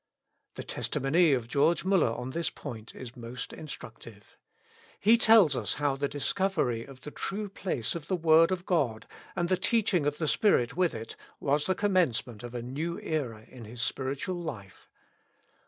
The testimony of George MuUer on this point is most instructive. He tells us how the discovery of the true place of the word of God, and the teaching of the Spirit with it, was the commencement of a new era in his spiritual life.